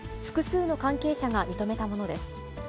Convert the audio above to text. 複数の関係者が認めたものです。